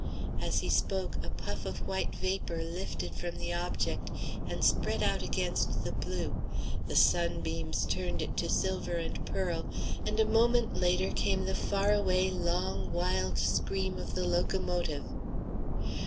As he spoke a puff of white vapor lifted from the object and spread out against the blue, the sunbeams turned it to silver and pearl, and a moment later came the far away, long, wild scream of the locomotive.